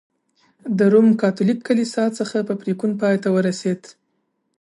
د روم کاتولیک کلیسا څخه په پرېکون پای ته ورسېد.